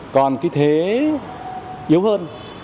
còn cái thế yếu hơn